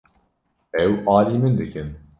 Ew alî min dikin.